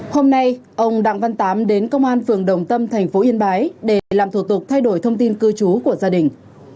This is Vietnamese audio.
hôm nay ông đặng văn tám đến công an phường đồng tâm thành phố yên bái để làm thủ tục thay đổi thông tin cư trú của gia đình